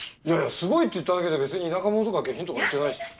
いやいやすごいって言っただけで別に田舎者とか下品とか言ってないし。